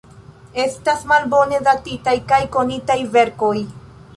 Estas malbone datitaj kaj konitaj verkoj.